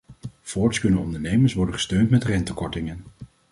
Voorts kunnen ondernemers worden gesteund met rentekortingen.